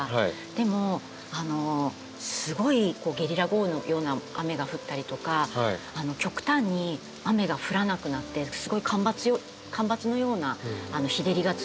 でもすごいゲリラ豪雨のような雨が降ったりとか極端に雨が降らなくなってすごい干ばつのような日照りが続いたり。